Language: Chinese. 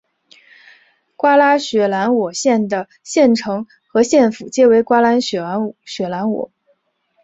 瓜拉雪兰莪县的县城和县府皆为瓜拉雪兰莪。